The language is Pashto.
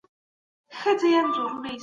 د دوی پخوانۍ تګلاري د دولت عایدات کمول.